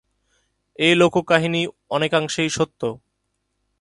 এ লোককাহিনী অনেকাংশেই সত্য।